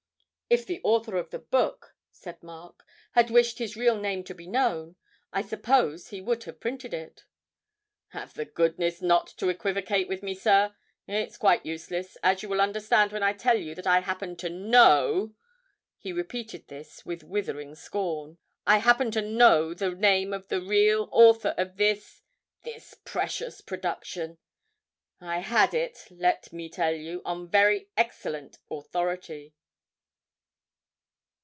'If the author of the book,' said Mark, 'had wished his real name to be known, I suppose he would have printed it.' 'Have the goodness not to equivocate with me, sir. It's quite useless, as you will understand when I tell you that I happen to know' (he repeated this with withering scorn) 'I happen to know the name of the real author of this this precious production. I had it, let me tell you, on very excellent authority.'